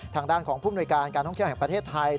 ทางด้านของผู้มนุยการการท่องเที่ยวแห่งประเทศไทย